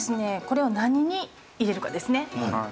これを何に入れるかですね。